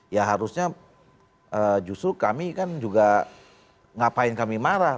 ya harusnya justru kami kan juga ngapain kami marah